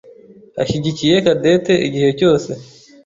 ashyigikiye Cadette igihe cyose.